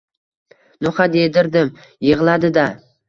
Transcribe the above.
No'xat yedirdim. Yig'ladi-da...